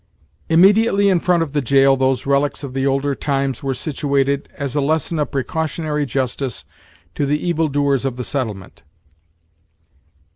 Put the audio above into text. Immediately in front of the jail those relics of the older times were situated, as a lesson of precautionary justice to the evil doers of the settlement.